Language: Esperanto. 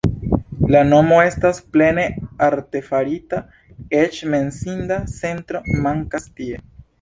La nomo estas plene artefarita, eĉ menciinda centro mankas tie.